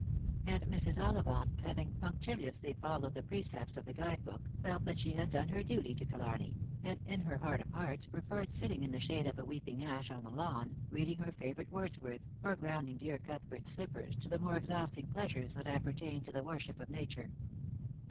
And Mrs. Ollivant, having punctiliously followed the precepts of the guide book, felt that she had done her duty to Killarney, and in her heart of hearts preferred sitting in the shade of a weeping ash on the lawn, reading her favourite Wordsworth, or grounding dear Cuthbert's slippers, to the more exhausting pleasures that appertain to the worship of nature.